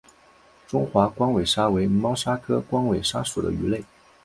中华光尾鲨为猫鲨科光尾鲨属的鱼类。